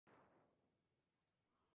Primero se da un paisaje realista.